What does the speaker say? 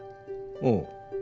うん。